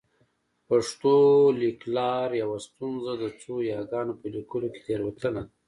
پښتو لیکلار یوه ستونزه د څو یاګانو په لیکلو کې تېروتنه ده